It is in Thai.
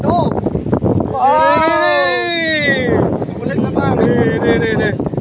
เทปตัวด้วย